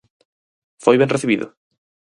Foi ben recibido?